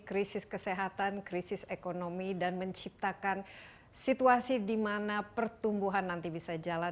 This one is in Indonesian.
krisis kesehatan krisis ekonomi dan menciptakan situasi di mana pertumbuhan nanti bisa jalan